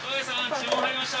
注文入りました。